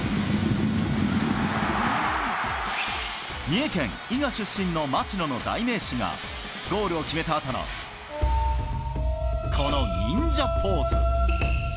三重県伊賀出身の町野の代名詞が、ゴールを決めたあとの、この忍者ポーズ。